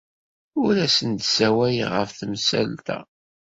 Ur asen-d-ssawaleɣ ɣef temsalt-a.